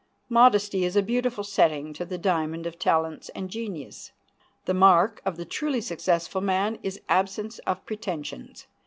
Modesty is a beautiful setting to the diamond of talents and genius. The mark of the truly successful man is absence of pretensions.